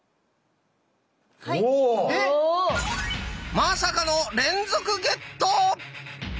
まさかの連続ゲット！